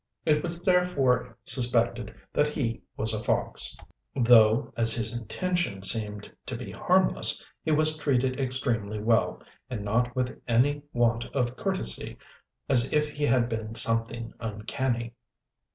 It was therefore suspected that he was a fox, though as his intentions seemed to be harmless, he was treated extremely well, and not with any want of courtesy as if he had been something uncanny.